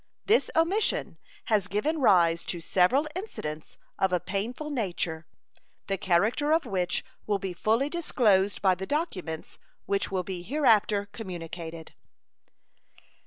This omission has given rise to several incidents of a painful nature, the character of which will be fully disclosed by the documents which will be hereafter communicated.